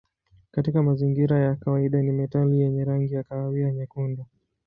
Katika mazingira ya kawaida ni metali yenye rangi ya kahawia nyekundu.